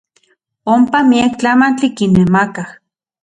Onpa miak tlamantli kinemakaj.